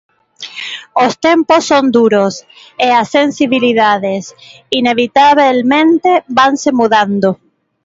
Os tempos son duros, e as sensibilidades, inevitabelmente vanse mudando.